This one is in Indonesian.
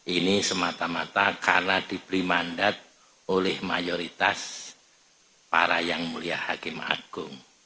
ini semata mata karena diberi mandat oleh mayoritas para yang mulia hakim agung